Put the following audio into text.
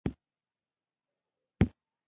غول د ناروغ د حالت تابل دی.